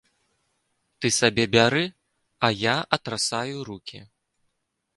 Ты сабе бяры, а я атрасаю рукі.